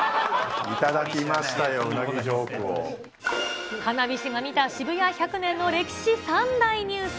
頂きましたよ、うなぎジョー花菱が見た渋谷１００年の歴史３大ニュース。